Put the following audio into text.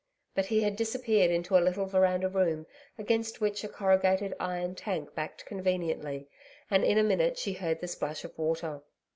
But he had disappeared into a little veranda room, against which a corrugated iron tank backed conveniently, and in a minute she heard the splash of water.